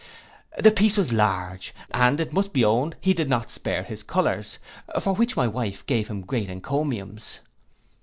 The piece was large, and it must be owned he did not spare his colours; for which my wife gave him great encomiums.